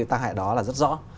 tác hại đó là rất rõ